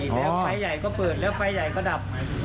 ไฟใหญ่ก็เปิดแล้วไฟใหญ่ก็ดับ